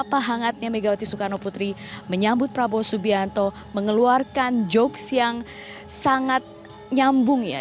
apa hangatnya megawati soekarno putri menyambut prabowo subianto mengeluarkan jokes yang sangat nyambung ya